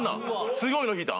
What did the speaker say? すごいの引いたん？